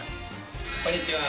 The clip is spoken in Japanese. こんにちは。